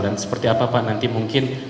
dan seperti apa pak nanti mungkin